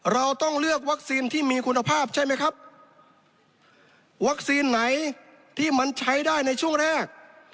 เราต้องเลือกวัคซีนที่มีคุณภาพใช่ไหมครับวัคซีนไหนที่มันใช้ได้ในช่วงแรก